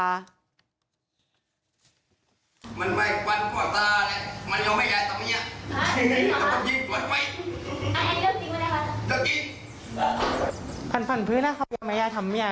มันไม่ควรปลอดภัณฑ์มันยอมใหญ่ทำเมีย